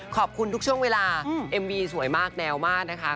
ขอบคุณทุกช่วงเวลาเอ็มวีสวยมากแนวมากนะคะ